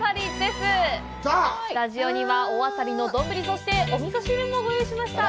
スタジオには大あさりの丼、そしてお味噌汁もご用意しました。